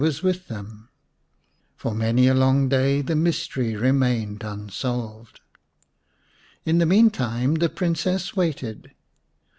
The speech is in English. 90 The Serpent's Bride with them; for many a long day the mystery remained unsolved. In the meantime the Princess waited.